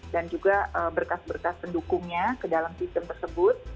juga berkas berkas pendukungnya ke dalam sistem tersebut